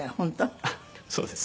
あっそうです。